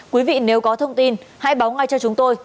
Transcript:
quý vị nếu có thông tin hãy báo ngay cho chúng tôi